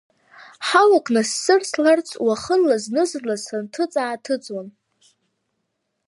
Ҳауак нассырсларц уахынла, зны-зынла, сынҭыҵааҭыҵуан.